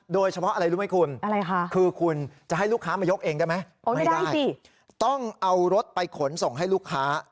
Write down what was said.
โดยเฉพาะอะไรรู้ไหมคุณคือคุณจะให้ลูกค้ามายกเองได้ไหมไม่ได้ต้องเอารถไปขนส่งให้ลูกค้า